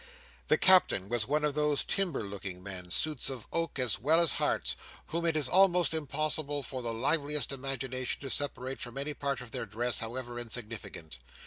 The Captain was one of those timber looking men, suits of oak as well as hearts, whom it is almost impossible for the liveliest imagination to separate from any part of their dress, however insignificant.